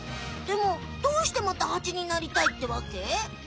でもどうしてまたハチになりたいってわけ？